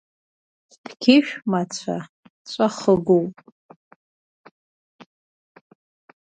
Бқьышә мацәа ҵәахыгауп.